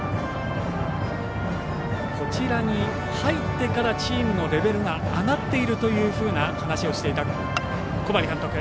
こちらに入ってからチームのレベルが上がっているというような話をしていた小針監督。